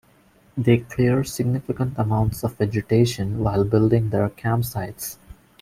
They clear significant amounts of vegetation while building their campsites.